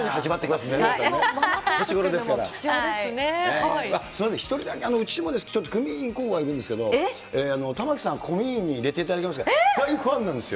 すみません、１人だけ、うちもちょっと組員がいるんですけど、玉城さん、倖田組に入れていただけますか、大ファンなんですよ。